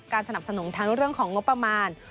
การสนับสนุนทางตกเรื่องของงบประมาณ